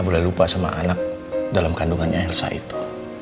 boleh lupa sama anak dalam kandungannya elsa itu